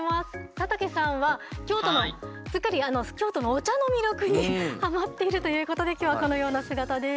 佐竹さんは京都のお茶の魅力にはまっているということで今日はこのような姿です。